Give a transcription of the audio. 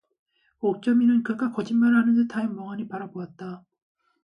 옥점이는 그가 거짓말을 하는 듯하여 멍하니 바라보았다.